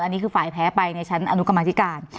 อันนี้คือฝ่ายแพ้ไปในชั้นอนุกรรมธิการ